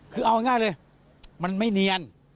คือเอาง่ายเลยมันไม่เนียน